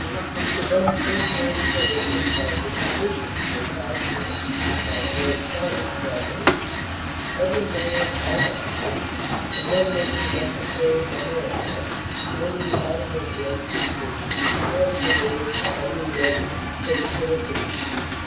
He should then personally solicit by visitation if possible by correspondence at the least every man on that list and then making necessary memoranda, know the automobile situation as related to every resident so solicited.